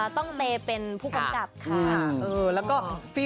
ต้องตระเป็นผู้กำกัด